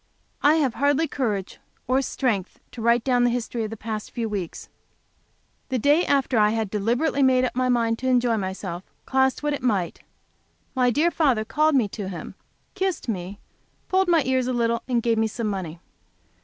I have hardly courage or strength to write down the history of the past few weeks. The day after I had deliberately made up my mind to enjoy myself, cost what it might, my dear father called me to him, kissed me, pulled my ears a little, and gave me some money.